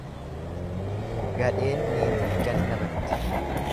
Gadheen niitii ganna baddi.